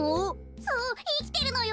そういきてるのよ。